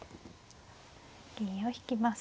銀を引きます。